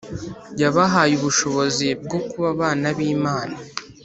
yabahaye ubushobozi bwo kuba abana b Imana